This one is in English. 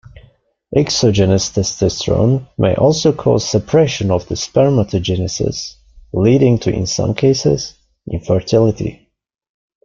Exogenous testosterone may also cause suppression of spermatogenesis, leading to, in some cases, infertility.